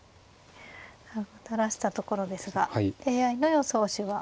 歩を垂らしたところですがＡＩの予想手は８八玉。